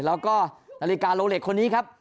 แล้วก็นาฬิกาโลเล็กคนนี้ครับ